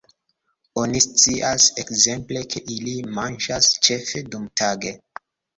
Oni scias ekzemple, ke ili manĝas ĉefe dumtage.